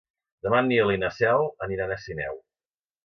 Demà en Nil i na Cel aniran a Sineu.